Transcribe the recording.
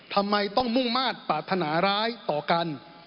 ทำไมต้องมุ่งมาตรปรารถนาร้ายต่อกัน